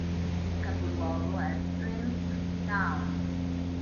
Il capoluogo è Princes Town.